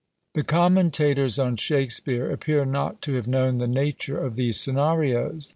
" The commentators on Shakspeare appear not to have known the nature of these Scenarios.